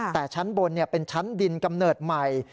แต่ชั้นบนเป็นชั้นดินกำเนิดใหม่